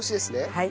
はい。